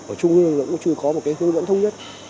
ở trung ương cũng chưa có hướng dẫn thông nhất